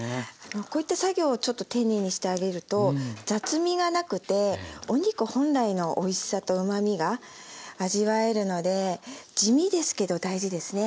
こういった作業をちょっと丁寧にしてあげると雑味がなくてお肉本来のおいしさとうまみが味わえるので地味ですけど大事ですね。